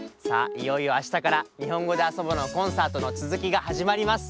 いよいよあしたから「にほんごであそぼ」のコンサートのつづきがはじまります！